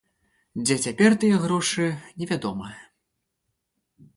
Дзе цяпер тыя грошы, невядома.